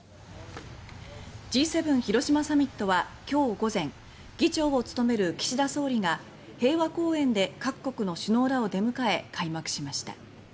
Ｇ７広島サミットは今日午前議長を務める岸田総理が平和公園で各国の首脳らを出迎え開幕しました。